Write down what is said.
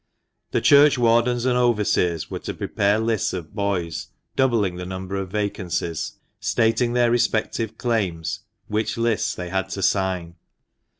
The churchwardens and overseers were to prepare lists of boys, doubling the number of vacancies, stating their respective claims, which lists they had to sign.